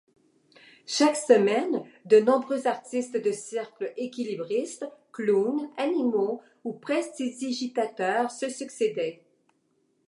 Chaque semaine de nombreux artistes de cirque équilibristes, clowns, animaux ou prestidigitateurs se succédaient.